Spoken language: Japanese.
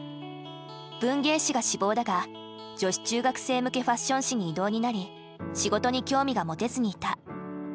文芸誌が志望だが女子中学生向けファッション誌に異動になり仕事に興味が持てずにいた。